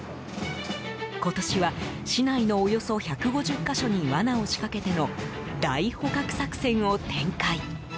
今年は市内のおよそ１５０か所に罠を仕掛けての大捕獲作戦を展開。